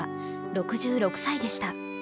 ６６歳でした。